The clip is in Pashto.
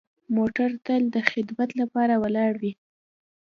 موټر تل د خدمت لپاره ولاړ وي.